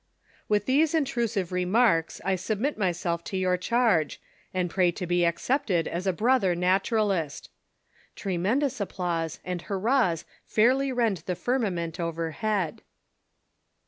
]" With these intrusive remarks, I submit myself to your charge, and pray to be accepted as a brother Naturalist !" [Tremendous applause and hurrahs fairly rend the firma ment overhead.